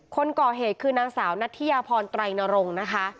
คนก่อเหตุคือนางสาวนัทยาพรไตรนรงค์นะคะ